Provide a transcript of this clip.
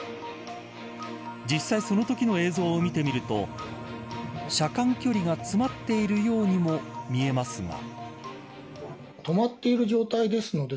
実際そのときの映像を見てみると車間距離が詰まっているようにも見えますが。